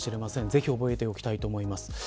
ぜひ覚えておきたいと思います。